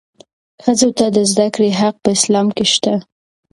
ښځو ته د زدهکړې حق په اسلام کې شته.